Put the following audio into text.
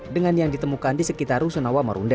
dengan yang ditemukan di sekitar rusunawa marunda